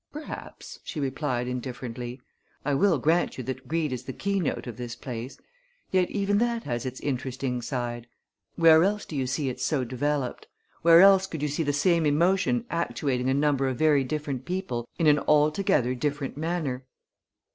"Perhaps!" she replied indifferently. "I will grant you that greed is the keynote of this place; yet even that has its interesting side. Where else do you see it so developed? Where else could you see the same emotion actuating a number of very different people in an altogether different manner?"